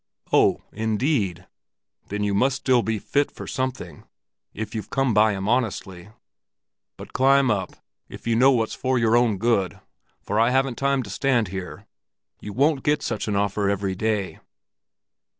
"Oh, indeed! Then you must still be fit for something, if you've come by him honestly. But climb up, if you know what's for your own good, for I haven't time to stand here. You won't get such an offer every day."